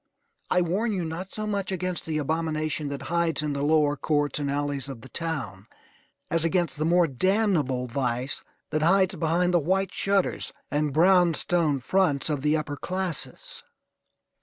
I warn you not so much against the abomination that hides in the lower courts and alleys of the town, as against the more damnable vice that hides behind the white shutters and brownstone fronts of the upper classes.